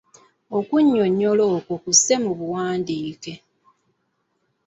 Okunnyonnyola okwo kusse mu buwandiike.